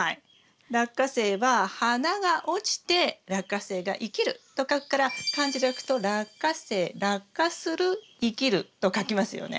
ラッカセイは「花が落ちてラッカセイが生きる」と書くから漢字で書くと「落花生」「落花する生きる」と書きますよね。